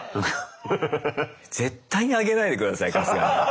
絶対にあげないで下さい春日に。